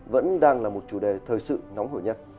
vẫn đang là một chủ đề thời sự nóng hổi nhất